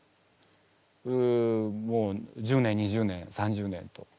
１０年２０年３０年と。